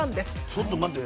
ちょっと待って。